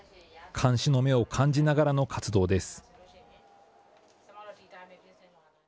監視の目を感じながらの活動です。